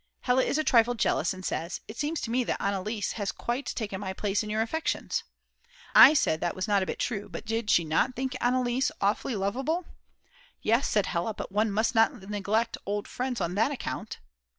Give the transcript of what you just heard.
Hella is a trifle jealous and says: "It seems to me that Anneliese has quite taken my place in your affections." I said that was not a bit true, but did she not think Anneliese awfully loveable? "Yes," said Hella, "but one must not neglect old friends on that account."